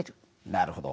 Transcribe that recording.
なるほど。